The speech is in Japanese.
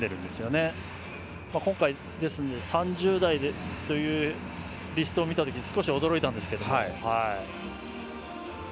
ですので今回、３０代というリストを見たとき少し驚いたんですけども。